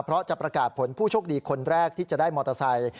เพราะจะประกาศผลผู้โชคดีคนแรกที่จะได้มอเตอร์ไซค์